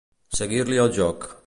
Seguir-li el joc.